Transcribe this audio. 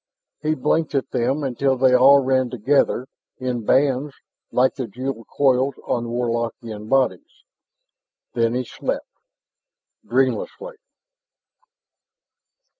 He blinked at them until they all ran together in bands like the jeweled coils on Warlockian bodies; then he slept dreamlessly.